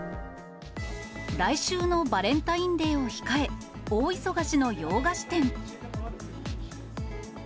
来週のバレンタインデーを控え、大忙しの洋菓子店。